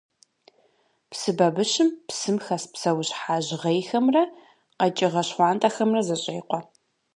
Псы бабыщым псым хэс псэущхьэ жьгъейхэмрэ къэкӏыгъэ щхъуантӏэхэмрэ зэщӏекъуэ.